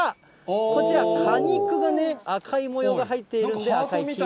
こちら、果肉がね、赤い模様が入っているんで、赤いキウイ。